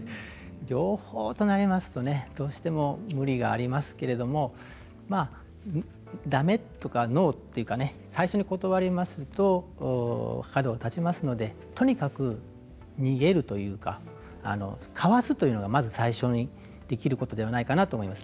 両方となりますとどうしても無理がありますけれどもだめとかノーというか最初に断りますと角が立ちますのでとにかく逃げるというかかわすというのがまず最初にできることではないかなと思います。